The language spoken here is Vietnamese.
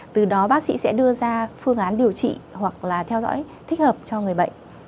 từ đó bác sĩ sẽ đưa ra phương án điều trị hoặc là theo dõi thích hợp cho người bệnh